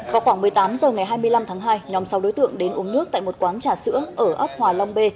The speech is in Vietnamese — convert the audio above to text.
vào khoảng một mươi tám h ngày hai mươi năm tháng hai nhóm sáu đối tượng đến uống nước tại một quán trà sữa ở ấp hòa long b